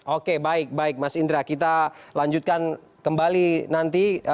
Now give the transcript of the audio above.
oke baik baik mas indra kita lanjutkan kembali nanti